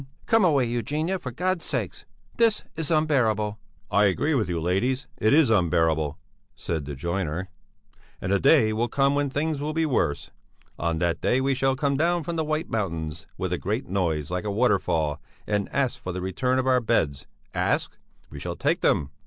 "Come away, Eugenia, for God's sake! This is unbearable!" "I agree with you, ladies, it is unbearable," said the joiner. "And the day will come when things will be worse; on that day we shall come down from the White Mountains with a great noise, like a waterfall, and ask for the return of our beds. Ask? We shall take them!